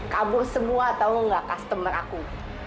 kamu semua tau gak customer aku